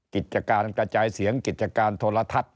กิจการกระจายเสียงกิจการโทรทัศน์